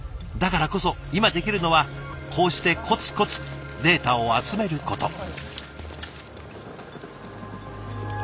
だからこそ今できるのはこうしてこつこつデータを集めること。